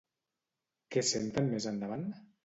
Què senten més endavant?